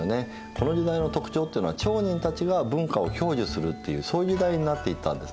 この時代の特徴っていうのは町人たちが文化を享受するっていうそういう時代になっていったんですね。